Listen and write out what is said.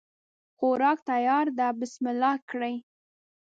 خوراک تیار ده بسم الله کړی